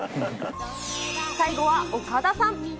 最後は岡田さん。